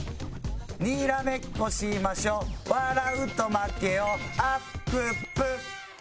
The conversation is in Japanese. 「にらめっこしましょ」「笑うと負けよあっぷっぷ」